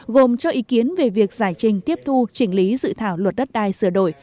gồm cho ý kiến về việc giải trình tiếp thu chỉnh lý dự thảo luật đất đai sửa đổi